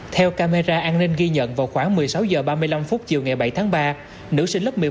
theo camera an ninh ghi nhận vào khoảng một mươi sáu h ba mươi năm chiều ngày bảy tháng ba nữ sinh lớp một mươi một